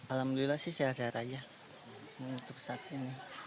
alhamdulillah sih sehat sehat aja untuk saat ini